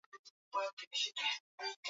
Tulimaliza kupiga dua.